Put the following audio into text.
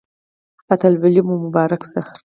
اتلولي مو مبارک شه